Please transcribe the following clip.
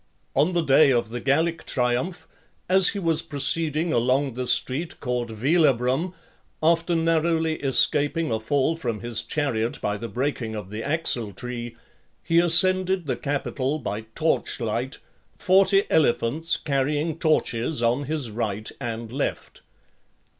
On the day of the Gallic triumph, as he was proceeding along the street called Velabrum, after narrowly escaping a fall from his chariot by the breaking of the axle tree, he ascended the Capitol by torch light, forty elephants carrying torches on his right and left.